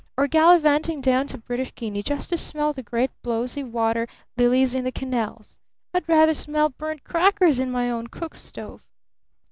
Or gallivanting down to British Guiana just to smell the great blowsy water lilies in the canals! I'd rather smell burned crackers in my own cook stove!"